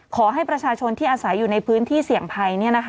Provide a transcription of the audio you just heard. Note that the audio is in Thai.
ขอให้ประชาชนที่อาศัยอยู่ในพื้นที่เสี่ยงภัย